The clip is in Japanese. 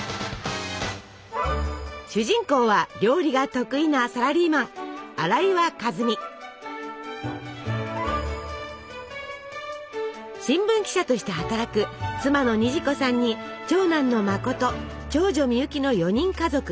主人公は料理が得意なサラリーマン新聞記者として働く妻の虹子さんに長男のまこと長女みゆきの４人家族。